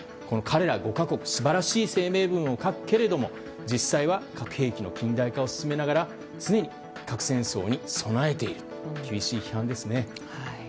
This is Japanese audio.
彼ら５か国、素晴らしい声明文を書くけれども、実際は核兵器の近代化を進めながら常に核戦争に備えていると厳しい批判ですね。